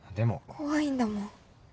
怖いんだもん。